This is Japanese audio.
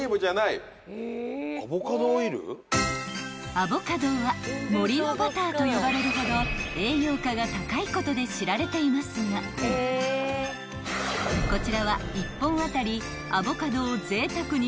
［アボカドは森のバターと呼ばれるほど栄養価が高いことで知られていますがこちらは１本当たりぜいたくに］